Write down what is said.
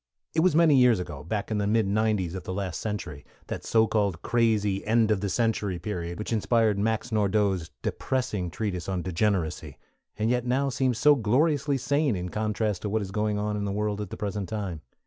It was many years ago back in the mid '90's of the last century, that so called crazy end of the century period, which inspired Max Nordau's depressing treatise on Degeneracy, and yet now seems so gloriously sane in contrast to what is going on in the world at the present time.